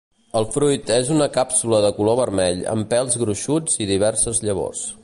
El fruit és una càpsula de color vermell amb pèls gruixuts i diverses llavors.